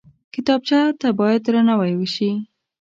کتابچه ته باید درناوی وشي